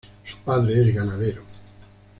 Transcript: Su padre es ganadero.